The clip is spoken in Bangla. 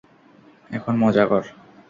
এখন মজা কর।